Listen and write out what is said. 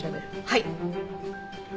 はい。